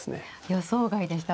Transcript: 予想外でした。